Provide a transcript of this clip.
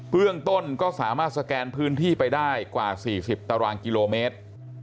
เรื่องต้นก็สามารถสแกนพื้นที่ไปได้กว่า๔๐ตารางกิโลเมตร